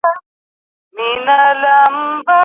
که سوله زموږ هدف وي نو جنګ نه بریالی کیږي.